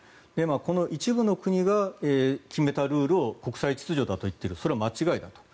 この一部の国が決めたルールを国際秩序というのは間違いだと。